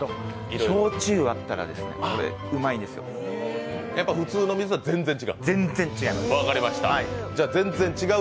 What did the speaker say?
焼酎割ったら、これうまいんですよ。やっぱ普通の水とは全然違う？